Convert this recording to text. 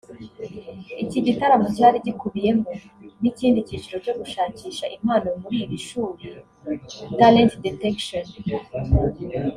Iki gitaramo cyari gikubiyemo n’ikindi cyiciro cyo gushakisha impano muri iri shuri ‘Talent Detection’